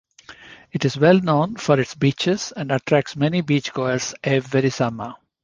It is well known for its beaches and attracts many beachgoers every summer.